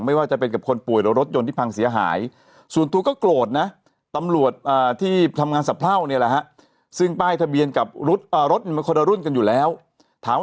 ไม่ว่าจะเป็นกับคนป่วยหรือรถยนต์ที่พังเสียหาย